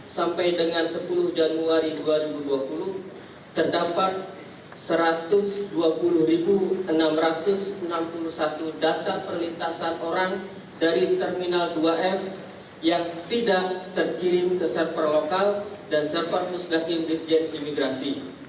sampai dengan sepuluh januari dua ribu dua puluh terdapat satu ratus dua puluh enam ratus enam puluh satu data perlintasan orang dari terminal dua f yang tidak terkirim ke server lokal dan server pusdaq dirjen imigrasi